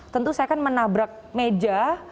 saya bisa menabrak meja